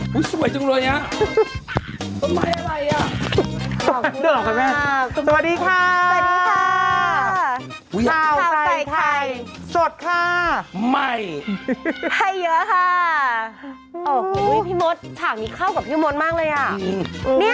คุณลูกหมาอยู่ในรายงานโปรดติดตามตอนต่อไป